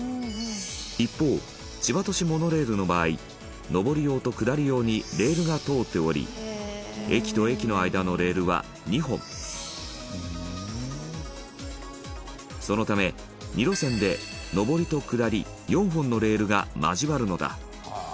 一方千葉都市モノレールの場合上り用と下り用にレールが通っており駅と駅の間のレールは２本そのため、２路線で上りと下り４本のレールが交わるのだ